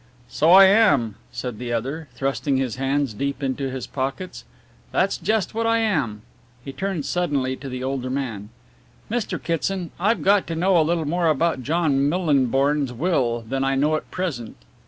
"So I am," said the other, thrusting his hands deep into his pockets, "that's just what I am." He turned suddenly to the older man. "Mr. Kitson, I've got to know a little more about John Millinborn's will than I know at present."